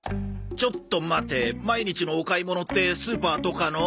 ちょっと待て毎日のお買い物ってスーパーとかの？